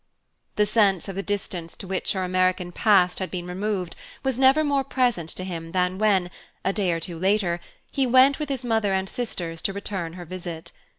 The sense of the distance to which her American past had been removed was never more present to him than when, a day or two later, he went with his mother and sisters to return her visit.